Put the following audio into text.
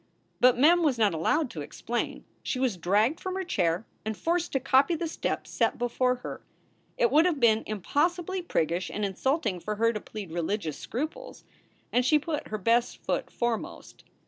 But Mem was not allowed to explain. She was dragged from her chair and forced to copy the steps set before her. It would have been impossibly priggish and insulting for her to plead religious scruples, and she put her best foot foremost.